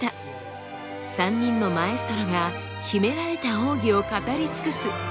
３人のマエストロが秘められた奥義を語り尽くす。